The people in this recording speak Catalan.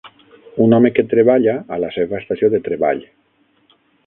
Un home que treballa a la seva estació de treball.